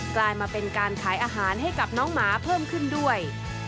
กลายมาเป็นการขายอาหารให้กับน้องหมาเพิ่มขึ้นด้วย